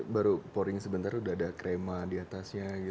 baru pouring sebentar sudah ada krema di atasnya gitu